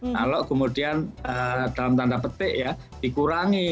kalau kemudian dalam tanda petik ya dikurangi